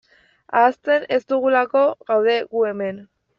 Ahazten ez dugulako gaude gu hemen.